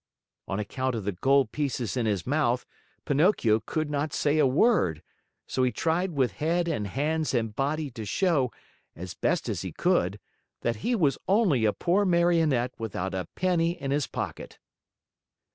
On account of the gold pieces in his mouth, Pinocchio could not say a word, so he tried with head and hands and body to show, as best he could, that he was only a poor Marionette without a penny in his pocket.